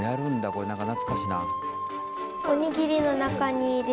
これ何か懐かしいな。